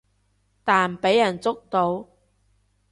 但畀人捉到